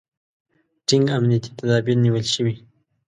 ټینګ امنیتي تدابیر نیول شوي.